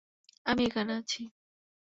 আমি এখানে আছি।